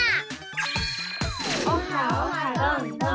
オハオハどんどん！